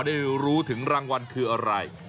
ได้รู้ถึงรางวัลคืออะไร